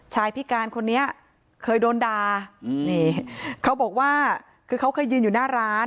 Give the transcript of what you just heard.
พิการคนนี้เคยโดนด่าอืมนี่เขาบอกว่าคือเขาเคยยืนอยู่หน้าร้าน